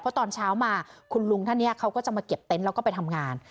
เพราะตอนเช้ามาคุณลุงท่านนี้เขาก็จะมาเก็บเต็นต์แล้วก็ไปทำงาน